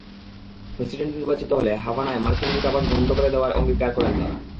President নির্বাচিত হলে হাভানায় মার্কিন দূতাবাস বন্ধ করে দেওয়ার অঙ্গীকার করেন তাঁরা।